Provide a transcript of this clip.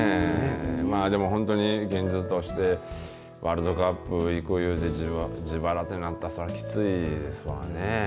まあでも本当に現実として、ワールドカップ行くいうて、自腹ってなったら、それはきついですわね。